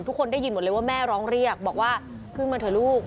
ทุกคนได้ยินหมดเลยว่าแม่ร้องเรียกบอกว่าขึ้นมาเถอะลูก